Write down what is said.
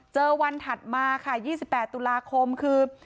เจอวันถัดมาค่ะ๒๘ตุลาคมคือ